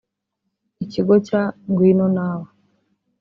Ikigo cya Ngwino Nawe